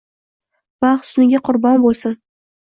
Va husniga qurbon bo’lsin